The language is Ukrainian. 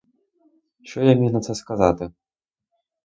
Що я міг на це сказати?